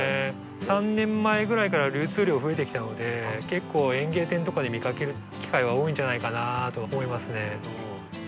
３年前ぐらいから流通量増えてきたので結構園芸店とかで見かける機会が多いんじゃないかなと思いますね。